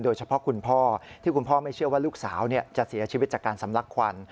โดยเฉพาะคุณพ่อที่คุณพ่อไม่เชื่อว่าลูกสาวจะเสียชีวิตจากการสำลักควัน